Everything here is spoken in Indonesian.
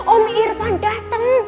om irfan dateng